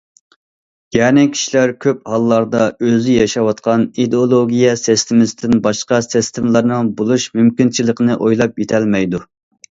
يەنى كىشىلەر كۆپ ھاللاردا ئۆزى ياشاۋاتقان ئىدېئولوگىيە سىستېمىسىدىن باشقا سىستېمىلارنىڭ بولۇش مۇمكىنچىلىكىنى ئويلاپ يېتەلمەيدۇ.